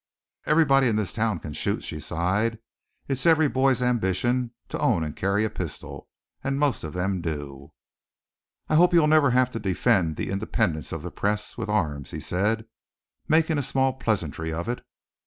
"Everybody in this town can shoot," she sighed. "It's every boy's ambition to own and carry a pistol, and most of them do." "I hope you'll never have to defend the independence of the press with arms," he said, making a small pleasantry of it.